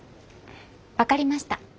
分かりました。